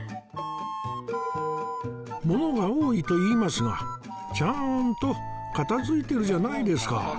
ものが多いと言いますがちゃんと片付いてるじゃないですか